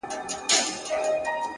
لوړ فکر نوې مفکورې زېږوي،